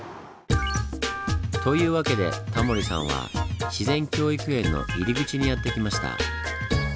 というわけでタモリさんは自然教育園の入り口にやって来ました。